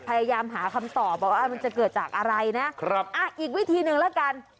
พยายามหาคำตอบบอกว่ามันจะเกิดจากอะไรนะครับอ่ะอีกวิธีหนึ่งแล้วกัน